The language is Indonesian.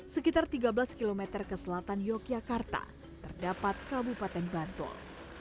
sekitar tiga belas km ke selatan yogyakarta terdapat kabupaten bantul